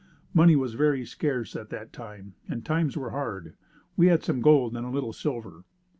Money was very scarce at that time and times were hard. We had some gold and a little silver.